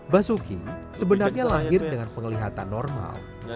basuki sebenarnya lahir dengan penglihatan normal